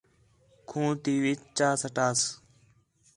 کھوں تی وِِچ چا سٹاس